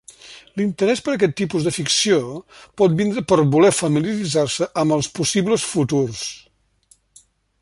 L'interès per aquest tipus de ficció pot vindre per voler familiaritzar-se amb els possibles futurs.